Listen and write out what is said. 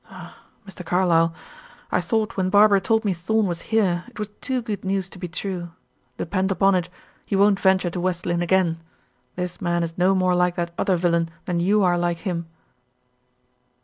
Ah, Mr. Carlyle, I thought, when Barbara told me Thorn was here, it was too good news to be true; depend upon it, he won't venture to West Lynne again. This man is no more like that other villain than you are like him."